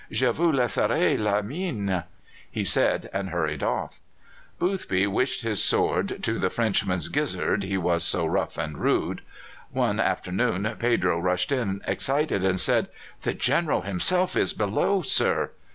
"Je vous laisserai la mienne," he said, and hurried off. Boothby wished his sword in the Frenchman's gizzard, he was so rough and rude. One afternoon Pedro rushed in, excited, and said: "The General himself is below, sir!"